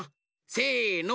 せの。